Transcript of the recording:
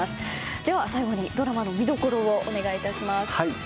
では、最後にドラマの見どころをお願いします。